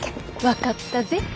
分かったぜ。